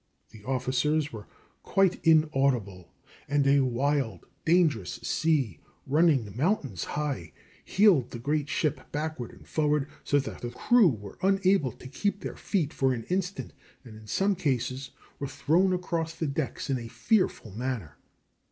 The officers were quite inaudible, and a wild, dangerous sea, running mountains high, heeled the great ship backward and forward, so that the crew were unable to keep their feet for an instant, and in some cases were thrown across the decks in a fearful manner.